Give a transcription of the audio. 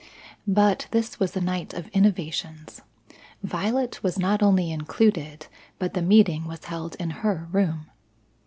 But this was a night of innovations; Violet was not only included, but the meeting was held in her room.